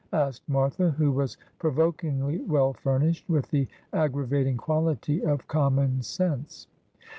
asked Martha, who was pro vokingly well furnished with the aggravating quality of com monsense.